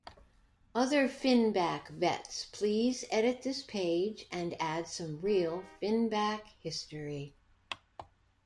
Other "Finback" vets please edit this page and add some real "Finback" history.